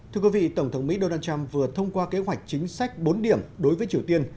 thưa quý vị tổng thống mỹ donald trump vừa thông qua kế hoạch chính sách bốn điểm đối với triều tiên